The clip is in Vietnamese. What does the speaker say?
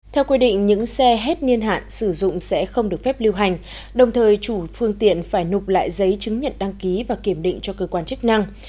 theo quy định những xe hết niên hạn sử dụng sẽ không được phép lưu hành đồng thời chủ phương tiện phải nục lại giấy chứng nhận đăng ký và kiểm định cho cơ quan chức năng